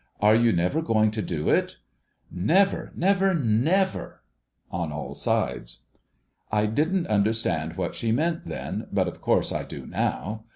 ' Are you never going to do it ?'' Never ! never ! never !' on all sides. I didn't understand what she meant then, but of course I do now.